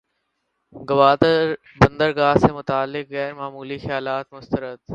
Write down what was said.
گوادر بندرگاہ سے متعلق غیر معمولی خیالات مسترد